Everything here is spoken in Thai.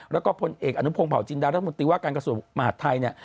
แล้วก็พลเอกอนุพงศาวจินดารัฐมนตรีว่าการกระทรวงมหาดไทยเนี่ย